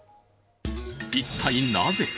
一体なぜ？